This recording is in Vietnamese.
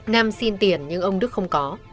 nam xin tiền nhưng ông đức không có